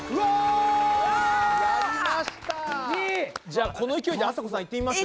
じゃあこの勢いであさこさんいってみます？